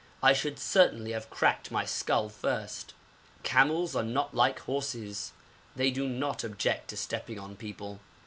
I should certainly have cracked my skull first. Camels are not like horses they do not object to stepping on people.